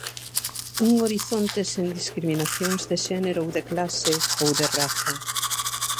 Un horizonte sen discriminacións de xénero, ou de clase, ou de raza.